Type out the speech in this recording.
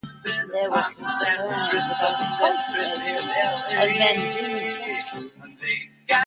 There were concerns about the promptness of Bandini's rescue.